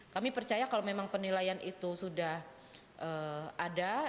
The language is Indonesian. kami percaya kalau memang penilaian itu sudah ada